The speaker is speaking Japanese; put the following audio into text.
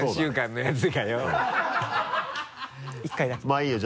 まぁいいよ